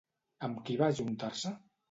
Amb qui va ajuntar-se?